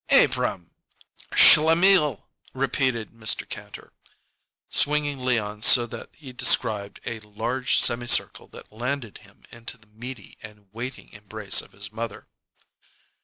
"Abrahm!" "Schlemmil!" repeated Mr. Kantor, swinging Leon so that he described a large semicircle that landed him into the meaty and waiting embrace of his mother.